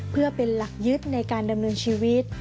เพื่อเป็นหลักยึดในการดำเนินชีวิต